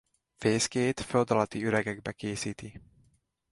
Fészkét földalatti üregekbe készíti.